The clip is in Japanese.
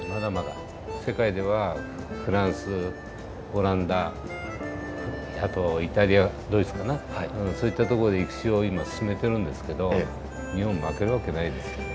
世界ではフランスオランダあとイタリアドイツかなそういったとこで育種を今進めてるんですけど日本負けるわけないですよ。